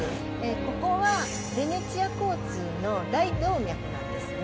ここは、ヴェネツィア交通の大動脈なんですね。